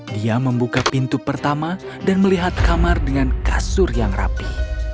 dia membuka pintu pertama dan melihat kamar dengan kasur yang rapi